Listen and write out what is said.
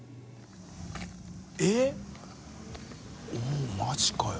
おぉマジかよ。